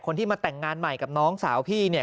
ที่มาแต่งงานใหม่กับน้องสาวพี่เนี่ย